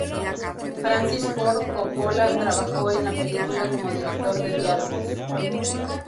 Francis Ford Coppola trabajó en la película como director de diálogos.